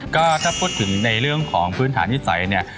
ก็ถ้าพูดถึงในเรื่องของพื้นฐานนิสัยเนี่ย